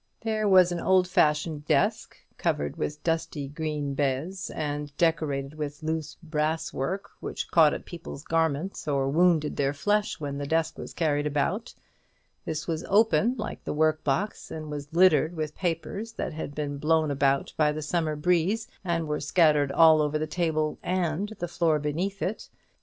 There was an old fashioned desk, covered with dusty green baize, and decorated with loose brass work, which caught at people's garments or wounded their flesh when the desk was carried about; this was open, like the work box, and was littered with papers that had been blown about by the summer breeze, and were scattered all over the table and the floor beneath it.